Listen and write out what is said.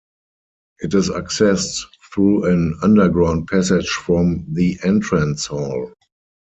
It is accessed through an underground passage from the entrance hall.